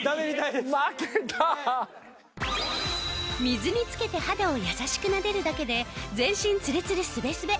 水につけて肌を優しくなでるだけで全身つるつるスベスベ。